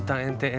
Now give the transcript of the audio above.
yang ini irman